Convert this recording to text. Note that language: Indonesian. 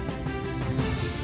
bisa hanya disini